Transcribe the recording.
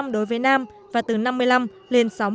đối với nam và từ năm mươi năm lên sáu mươi